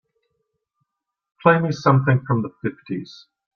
play me something from the fifties